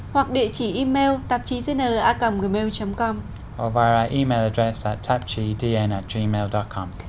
hoặc địa chỉ email tạp chí dnracomgmail com